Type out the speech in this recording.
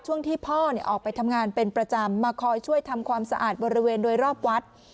ที่พ่อออกไปทำงานเป็นประจำมาคอยช่วยทำความสะอาดบริเวณโดยรอบวัด